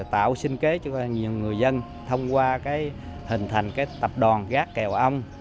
đưa dân thông qua hình thành tập đoàn gác kèo ong